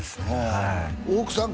はい大九さん